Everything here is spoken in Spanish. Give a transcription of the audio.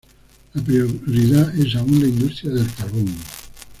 La prioridad es aún la industria del carbón.